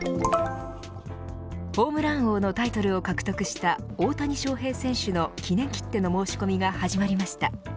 ホームラン王のタイトルを獲得した大谷翔平選手の記念切手の申し込みが始まりました。